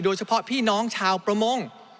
โดยเฉพาะพี่น้องชาวประมง